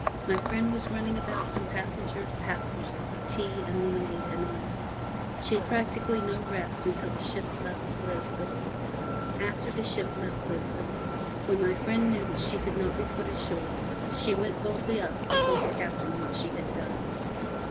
My friend was running about from passenger to passenger with tea and lemonade and ice. She had practically no rest until the ship left Lisbon. After the ship left Lisbon, when my friend knew that she could not be put ashore, she went boldly up and told the Captain what she had done.